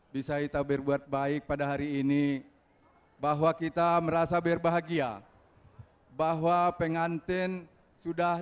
bisa kita berbuat baik pada hari ini bahwa kita merasa berbahagia bahwa pengantin sudah